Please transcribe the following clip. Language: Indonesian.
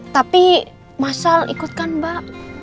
tapi masal ikut kan mbak